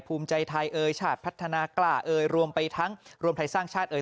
ภูมิใจไทยเอ่ยชาติพัฒนากล้าเอ่ยรวมไปทั้งรวมไทยสร้างชาติเอ่